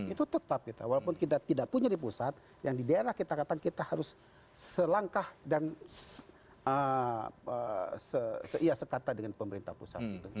itu tetap kita walaupun kita tidak punya di pusat yang di daerah kita katakan kita harus selangkah dan seia sekata dengan pemerintah pusat